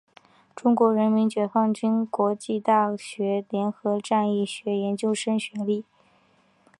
中国人民解放军国防大学联合战役学研究生学历。